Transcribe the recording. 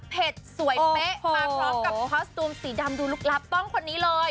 เหตุสวยเป๊ะมารับคอสตูมสีดำดูลูกลับต้องคนนี้เลย